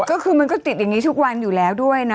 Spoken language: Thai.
ก็คือมันก็ติดอย่างนี้ทุกวันอยู่แล้วด้วยนะ